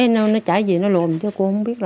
nó chảy gì nó lùm chứ cô không biết